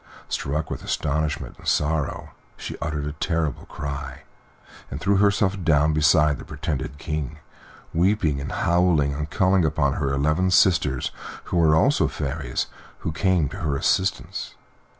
Struck with astonishment and sorrow, she uttered a terrible cry, and threw herself down beside the pretended King, weeping, and howling, and calling upon her eleven sisters, who were also fairies, and who came to her assistance.